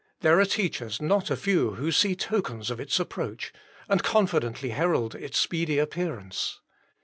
There are teachers not a few who see the tokens of its approach, and confidently herald its speedy appearance.